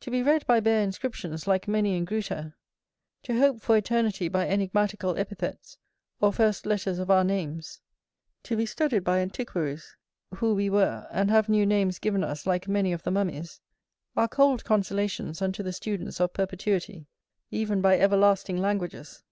To be read by bare inscriptions like many in Gruter, to hope for eternity by enigmatical epithets or first letters of our names, to be studied by antiquaries, who we were, and have new names given us like many of the mummies, are cold consolations unto the students of perpetuity, even by everlasting languages.